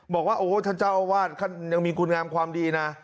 บอกว่าโอ้ท่านเจ้าอาวาสท่านยังมีคุณงามความดีนะ